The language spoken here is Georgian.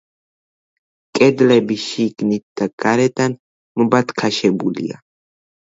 კედლები შიგნით და გარედან მობათქაშებულია.